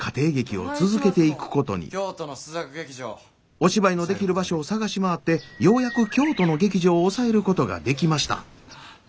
お芝居のできる場所を探し回ってようやく京都の劇場を押さえることができました。